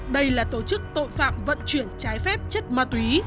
đây là tổ chức tội phạm vận chuyển trái phép chất ma túy